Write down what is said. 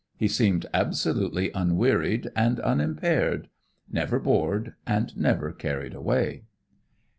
He seemed absolutely unwearied and unimpaired; never bored and never carried away.